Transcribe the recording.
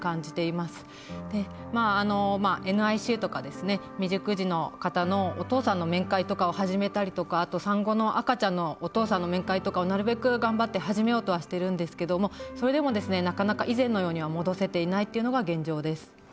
まあＮＩＣＵとかですね未熟児の方のお父さんの面会とかを始めたりとかあと産後の赤ちゃんのお父さんの面会とかをなるべく頑張って始めようとはしてるんですけどもそれでもですねなかなか以前のようには戻せていないっていうのが現状です。